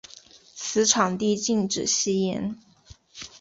此场地禁止吸烟。